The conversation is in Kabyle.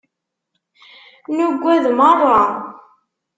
Nuged merra.